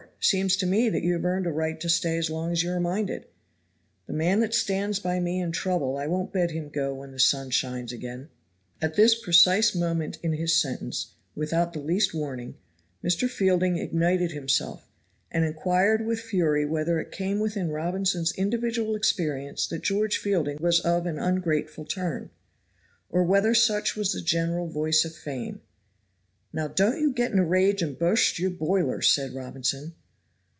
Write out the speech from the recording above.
Seems to me that you have earned a right to stay as long as you are minded. The man that stands by me in trouble I won't bid him go when the sun shines again." And at this precise point in his sentence, without the least warning, Mr. Fielding ignited himself and inquired with fury whether it came within Robinson's individual experience that George Fielding was of an ungrateful turn, or whether such was the general voice of fame. "Now, don't you get in a rage and burst your boiler," said Robinson.